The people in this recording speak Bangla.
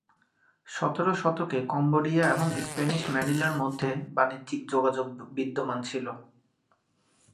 সতের শতকে কম্বোডিয়া এবং স্প্যানিশ ম্যানিলার মধ্যে বাণিজ্যিক যোগাযোগ বিদ্যমান ছিল।